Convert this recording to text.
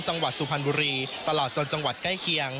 จังหวัดสุพันธุ์บุรีตลอดจนจังหวัดใกล้เคียง